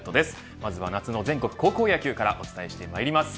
まずは夏の全国高校野球からお伝えしてまいります。